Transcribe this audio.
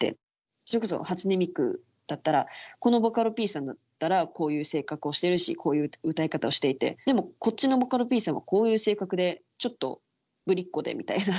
それこそ初音ミクだったらこのボカロＰさんだったらこういう性格をしてるしこういう歌い方をしていてでもこっちのボカロＰさんはこういう性格でちょっとぶりっこでみたいな。